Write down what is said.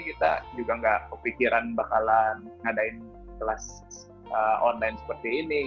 kita juga nggak kepikiran bakalan ngadain kelas online seperti ini